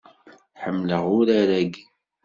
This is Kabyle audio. Ḥemmleɣ urar-agi.